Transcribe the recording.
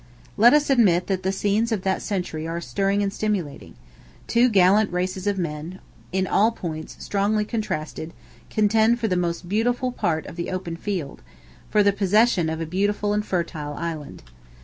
Let us admit that the scenes of that century are stirring and stimulating; two gallant races of men, in all points strongly contrasted, contend for the most part in the open field, for the possession of a beautiful and fertile island.